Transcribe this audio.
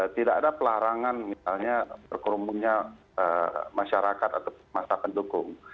tidak ada pelarangan misalnya berkerumunnya masyarakat atau masyarakat pendukung